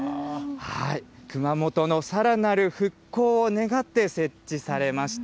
熊本のさらなる復興を願って、設置されました。